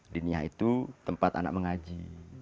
dinia itu tempat anak mengaji